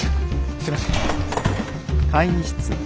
すいません。